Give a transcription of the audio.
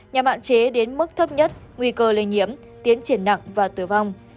nhằm hạn chế đến mức thấp nhất nguy cơ lây nhiễm tiến triển nặng và tử vong